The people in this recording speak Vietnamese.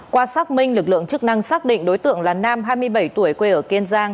qua xác minh lực lượng chức năng xác định đối tượng là nam hai mươi bảy tuổi quê ở kiên giang